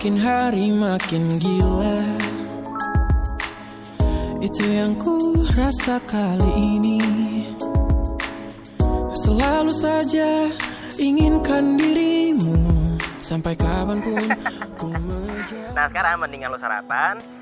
nah sekarang mendingan lo sarapan